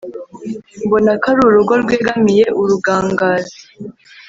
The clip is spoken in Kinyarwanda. mbona ko ari urugo rwegamiye urugangazi,